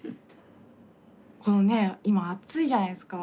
このね今暑いじゃないですか。